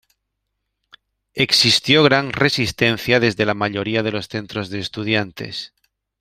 Existió gran resistencia desde la mayoría de los centros de estudiantes.